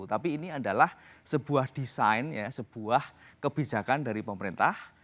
tapi ini adalah sebuah desain sebuah kebijakan dari pemerintah